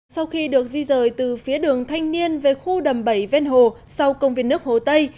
sau khi được di rời từ phía đường thanh niên về khu đầm bảy vên hồ sau công viên nước hồ tây